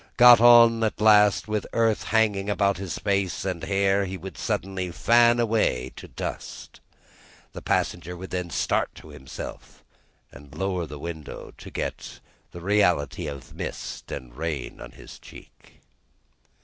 Got out at last, with earth hanging about his face and hair, he would suddenly fan away to dust. The passenger would then start to himself, and lower the window, to get the reality of mist and rain on his cheek.